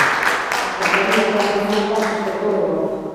A compañía ten ademais bases por toda Europa.